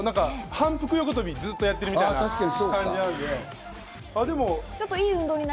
反復横飛びずっとやってるみたいな感じなので。